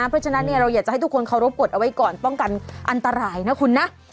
เพราะฉะนั้นเราอยากจะให้ทุกคนเคารพกฎเอาไว้ก่อนป้องกันอันตรายนะคุณนะ